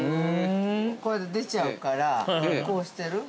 ◆これで出ちゃうから、こうしてる。